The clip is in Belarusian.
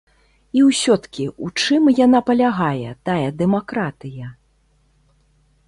І ўсё-ткі, у чым яна палягае, тая дэмакратыя?